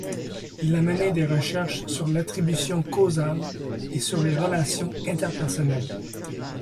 Il a mené des recherches sur l'attribution causale et sur les relations interpersonnelles.